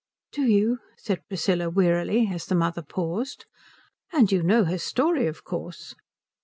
"Do you?" said Priscilla wearily, as the mother paused. "And you know her story, of course?"